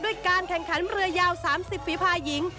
การแข่งขันเรือยาว๓๐ฝีภาหญิง